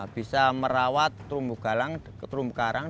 bisa merawat terumbu galang terumbu karang